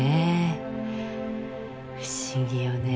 「不思議よね」